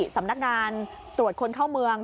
สำนักงานตรวจคนเข้าเมือง